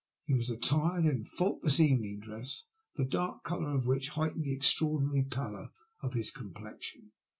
He was attired in faultless evening dress, the dark colour of which heightened the extraordinary pallor of his complexion.